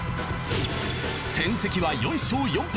戦績は４勝４敗。